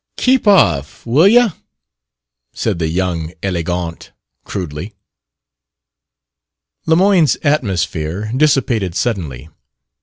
"Keep off, will you!" said the young élégant crudely. Lemoyne's "atmosphere" dissipated suddenly.